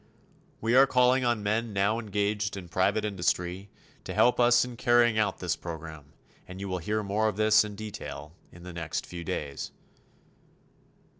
We are calling on men now engaged in private industry to help us in carrying out this program and you will hear more of this in detail in the next few days.